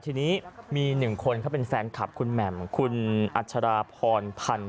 ทีนี้มีหนึ่งคนเขาเป็นแฟนคลับคุณแหม่มอาชาราภรพันธ์ใจตาด